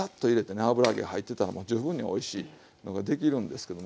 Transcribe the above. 油揚げ入ってたらもう十分においしいのができるんですけども。